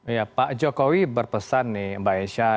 iya pak jokowi berpesan nih mbak esha